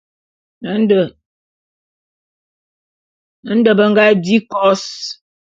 Nde be nga di kos.